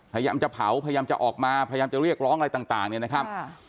พยายามจะเผาพยายามจะออกมาพยายามจะเรียกร้องอะไรต่างเนี่ยนะครับ